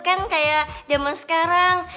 kan kayak zaman sekarang